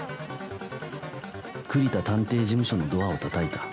栗田探偵事務所のドアをたたいた。